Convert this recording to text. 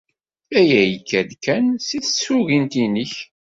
Aya yekka-d kan seg tsugint-nnek.